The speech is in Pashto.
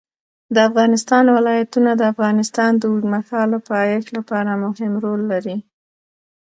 د افغانستان ولايتونه د افغانستان د اوږدمهاله پایښت لپاره مهم رول لري.